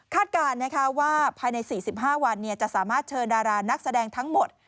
การว่าภายใน๔๕วันจะสามารถเชิญดารานักแสดงทั้งหมด